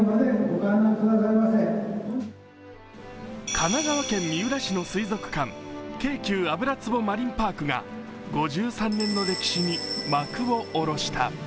神奈川県三浦市の水族館・京急油壺マリンパークが５３年の歴史に幕をおろした。